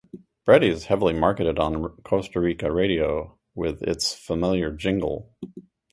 Breddy is heavily marketed on Costa Rican radio, with its familiar jingle.